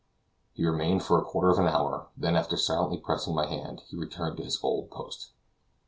He remained for a quarter of an hour, then after silently pressing my hand, he returned to his old post.